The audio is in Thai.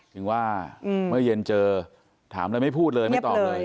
ถึงว่าเมื่อเย็นเจอถามอะไรไม่พูดเลยไม่ตอบเลย